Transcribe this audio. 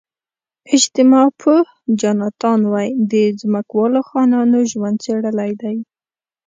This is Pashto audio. اجتماع پوه جاناتان وی د ځمکوالو خانانو ژوند څېړلی دی.